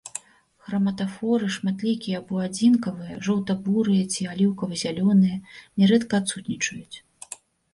Храматафоры шматлікія або адзінкавыя, жоўта-бурыя ці аліўкава-зялёныя, нярэдка адсутнічаюць.